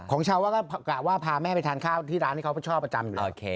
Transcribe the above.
ของชาวว่าก็กะว่าพาแม่ไปทานข้าวที่ร้านที่เขาชอบประจำอยู่